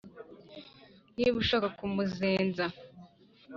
Niba ushaka kumpuzenza,